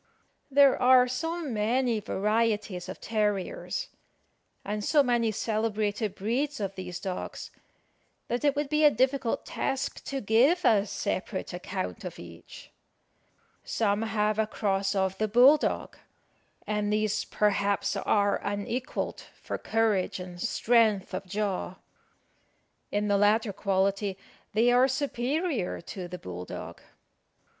There are so many varieties of terriers, and so many celebrated breeds of these dogs, that it would be a difficult task to give a separate account of each. Some have a cross of the bull dog; and these, perhaps, are unequalled for courage and strength of jaw. In the latter quality they are superior to the bull dog.